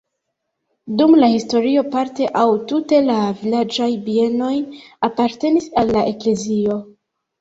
Dum la historio parte aŭ tute la vilaĝaj bienoj apartenis al la eklezio.